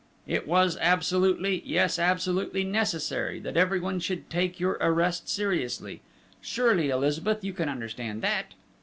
It was absolutely yes, absolutely necessary that everyone should take your arrest seriously.... Surely, Elizabeth, you can understand that!"